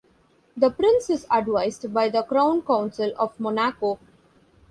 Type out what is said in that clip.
The prince is advised by the Crown Council of Monaco.